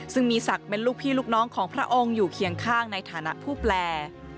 ซึ่งมีศักดิ์เป็นลูกพี่ลูกน้องของพระองค์อยู่เคียงข้างในฐานะผู้แปล